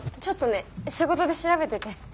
仕事で調べてて。